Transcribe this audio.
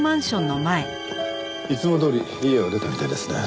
いつもどおり家は出たみたいですね。